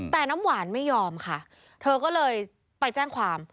แต่น้ำหวานไม่ยอมค่ะเธอก็เลยไปแจ้งความ